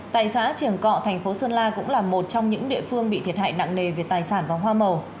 tại xã triển cọ thành phố sơn la cũng là một trong những địa phương bị thiệt hại nặng nề về tài sản và hoa màu